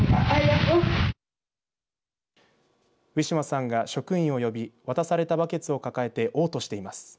ウィシュマさんが職員を呼び渡されたバケツを抱えておう吐しています。